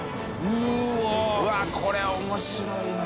うわぁこれ面白いね。